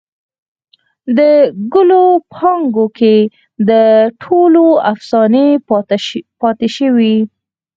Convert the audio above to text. دګلو پاڼوکې دټولو افسانې پاته شوي